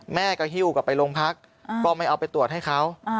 แม่ก็ฮิ้วกลับไปโรงพักก็ไม่เอาไปตรวจให้เขา